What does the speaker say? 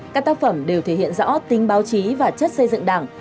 các tác phẩm đều thể hiện rõ tính báo chí và chất xây dựng đảng